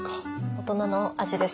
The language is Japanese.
大人の味です。